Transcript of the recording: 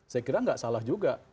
saya kira nggak salah juga